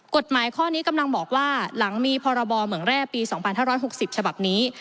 กฎหมายข้อนี้กำลังบอกว่าหลังมีพรบเหมืองแร่ปี๒๕๖๐ฉบับนี้